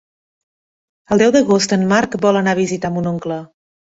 El deu d'agost en Marc vol anar a visitar mon oncle.